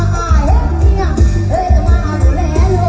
ดีเนี่ย